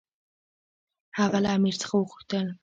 هغه له امیر څخه وغوښتل.